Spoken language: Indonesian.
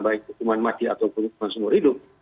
baik hukuman mati ataupun hukuman seumur hidup